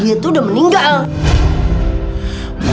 masi masi mas surya kenapa